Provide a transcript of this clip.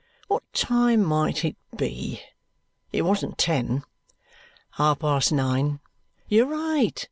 What time might it be? It wasn't ten." "Half past nine." "You're right.